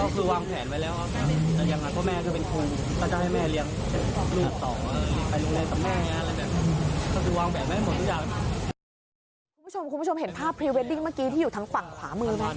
คุณผู้ชมเห็นภาพพรีเวดดิ้งเมื่อกี้ที่อยู่ทางฝั่งขวามือไหม